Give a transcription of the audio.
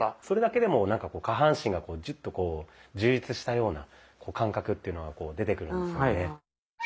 それだけでもなんか下半身がジュッとこう充実したような感覚っていうのは出てくるんですよね。